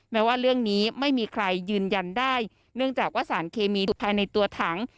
แม้ว่าเรื่องนี้ไม่มีใครยืนยันได้เนื่องจากว่าสารเคมีอยู่ภายในตัวถัง